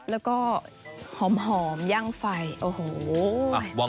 แล้วก็หอมย่างไฟโอ้โห